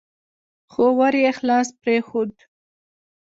خو ور يې خلاص پرېښود.